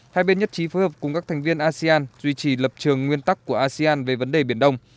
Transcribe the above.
hai bên nhất trí phối hợp cùng các thành viên asean duy trì lập trường nguyên tắc của asean về vấn đề biển đông